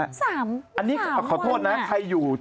๓วันแหละอันนี้ขอโทษนะใครอยู่